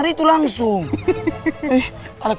bete itu langsung dong olok olok